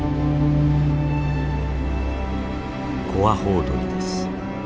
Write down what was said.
コアホウドリです。